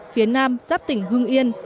phía nam giáp tỉnh hương yên